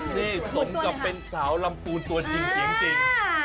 นี่สมกับเป็นสาวลำปูนตัวจริงเสียงจริง